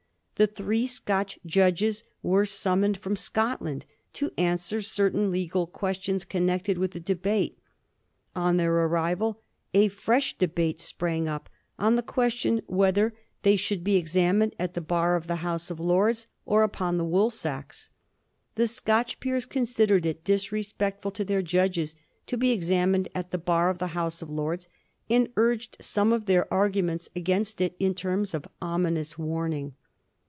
The three Scotch judges were sum moned from Scotland to answer certain legal questions connected with the debate. On their arrival a fresh de bate sprang up on the question whether they should be mi. SCOTTISH DIGNITY. q) examined at the Bar of the House of Lords or upon the wool sacks. The Scotch peers considered it disrespectful to their judges to be examined at the Bar of the House of Lords, and urged some of their arguments against it in terms of ominous warning.